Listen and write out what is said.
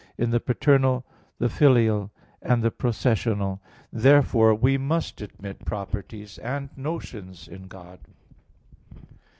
in the paternal, the filial, and the processional." Therefore we must admit properties and notions in God.